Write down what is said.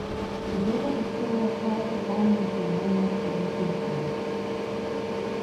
І гэта ж усё вырашае пытанне нацыянальнае формы культуры.